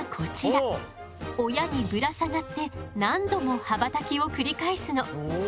親にぶら下がって何度も羽ばたきを繰り返すの。